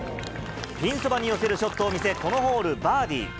ピンそばに寄せるショットを見せ、このホール、バーディー。